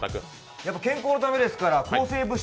健康のためですから抗生物質。